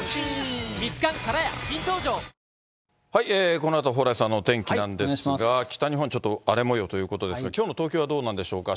このあとは蓬莱さんのお天気なんですが、北日本、ちょっと荒れもようということですが、きょうの東京はどうなんでしょうか。